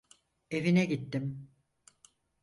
Evine gittim.